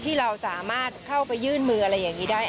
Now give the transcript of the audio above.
ที่เราสามารถเข้าไปยื่นมืออะไรอย่างนี้ได้